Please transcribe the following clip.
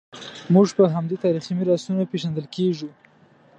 موږ په همدې تاریخي میراثونو پېژندل کېږو.